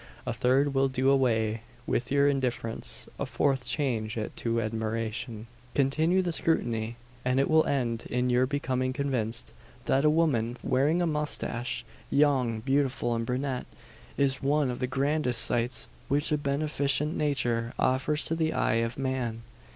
A third will do away with your indifference; a fourth change it to admiration! Continue the scrutiny, and it will end in your becoming convinced: that a woman wearing a moustache young, beautiful, and brunette is one of the grandest sights which a beneficent Nature offers to the eye of man.